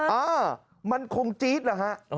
อ้ามันคงจี๊ดนะฮะ